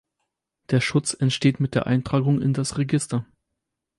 Der Schutz entsteht mit der Eintragung in das Register.